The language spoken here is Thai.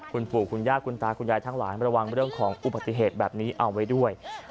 คุณปู่คุณย่าคุณตาคุณยายทั้งหลายระวังเรื่องของอุบัติเหตุแบบนี้เอาไว้ด้วย